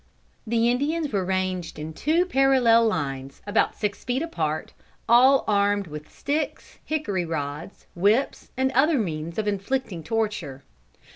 The Indians were ranged in two parallel lines, about six feet apart, all armed with sticks, hickory rods, whips, and other means of inflicting torture.